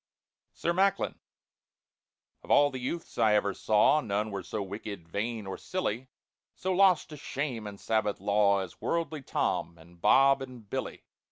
SIR MACKLIN OF all the youths I ever saw None were so wicked, vain, or silly, So lost to shame and Sabbath law, As worldly TOM, and BOB, and BILLY.